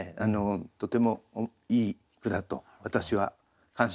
とてもいい句だと私は感心しました。